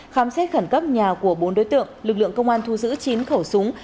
khám xét khẩn cấp nhà của bốn đối tượng lực lượng công an thu giữ chín khẩu súng